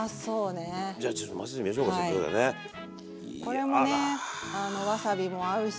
これもねわさびも合うし